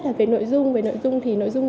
cả về nội dung về nội dung thì nội dung